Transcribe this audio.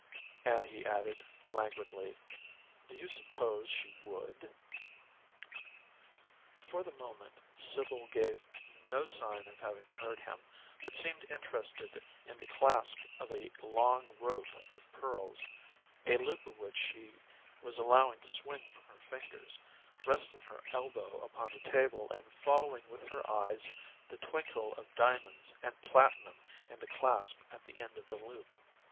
And he added, languidly, "Do you suppose she WOULD?" For the moment Sibyl gave no sign of having heard him, but seemed interested in the clasp of a long "rope" of pearls, a loop of which she was allowing to swing from her fingers, resting her elbow upon the table and following with her eyes the twinkle of diamonds and platinum in the clasp at the end of the loop.